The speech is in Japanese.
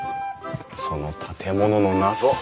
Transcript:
その建物の謎